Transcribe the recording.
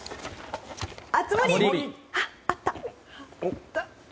熱盛！